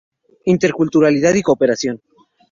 Interculturalidad y Cooperación.